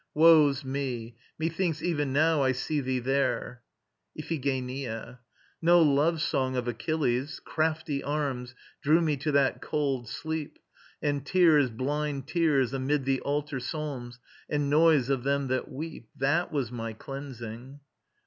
Woe's me! Methinks even now I see thee there. IPHIGENIA. No love song of Achilles! Crafty arms Drew me to that cold sleep, And tears, blind tears amid the altar psalms And noise of them that weep That was my cleansing!